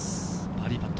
バーディーパット。